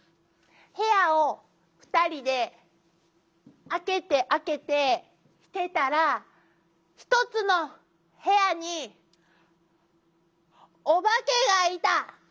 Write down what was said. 部屋を２人で開けて開けてしてたら一つの部屋にオバケがいた。